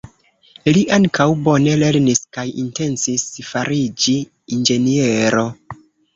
Li ankaŭ bone lernis kaj intencis fariĝi inĝeniero.